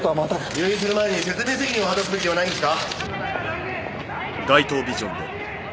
入院する前に説明責任を果たすべきではないんですか？